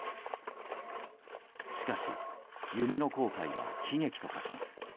しかし、夢の航海は悲劇と化します。